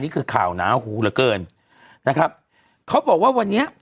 ข่าวหนาหูเหลือเกินนะครับเขาบอกว่าวันนี้